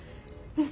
うん。